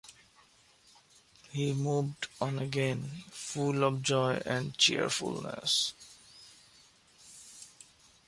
He moved on again, full of joy and cheerfulness.